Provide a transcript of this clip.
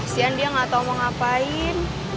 kasian dia gak tau mau ngapain